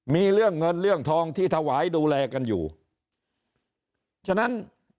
มีเรื่องเงินเรื่องทองที่ถวายดูแลกันอยู่ฉะนั้น